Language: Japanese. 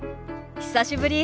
久しぶり。